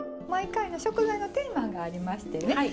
毎回食材のテーマがありましてね